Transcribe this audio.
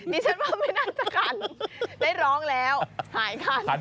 ดิฉันว่าไม่น่าจะกันได้ร้องแล้วหายคัน